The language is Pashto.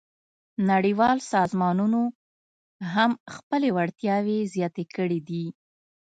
نړیوال سازمانونه هم خپلې وړتیاوې زیاتې کړې دي